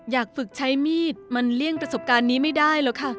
อยากฝึกใช้มีดมันเลี่ยงประสบการณ์นี้ไม่ได้หรอกค่ะ